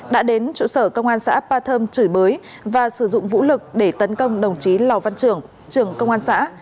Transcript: đã đến trụ sở công an xã ba thơm chửi bới và sử dụng vũ lực để tấn công đồng chí lò văn trưởng trưởng công an xã